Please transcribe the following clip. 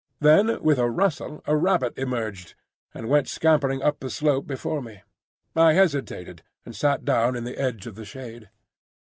Then with a rustle a rabbit emerged, and went scampering up the slope before me. I hesitated, and sat down in the edge of the shade.